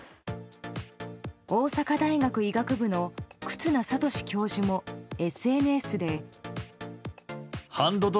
大阪大学医学部の忽那賢志教授もＳＮＳで。